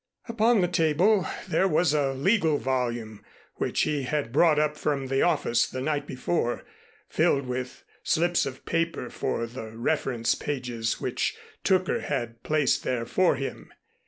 Upon the table there was a legal volume which he had brought up from the office the night before, filled with slips of paper for the reference pages which Tooker had placed there for him.